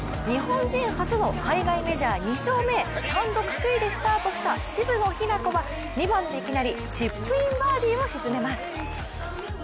日本人初の海外メジャー２勝目、単独首位でスタートした渋野日向子は２番でいきなりチップインバーディーをしずめます。